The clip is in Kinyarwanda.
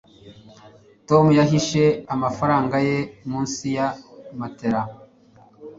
tom yahishe amafaranga ye munsi ya matelas